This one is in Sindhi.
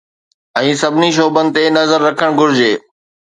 ۽ سڀني شعبن تي نظر رکڻ گهرجي